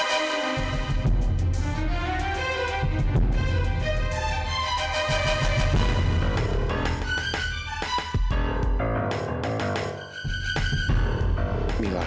sehingga buat ter rolls